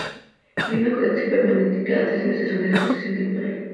Hay una colección permanente y cada tres meses una exposición temporal.